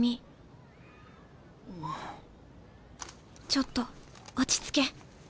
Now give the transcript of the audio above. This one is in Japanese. ちょっと落ち着け。